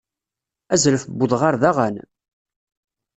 Azref n udɣar d aɣan?